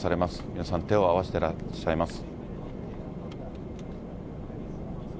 皆さん、手を合わせてらっしゃいます。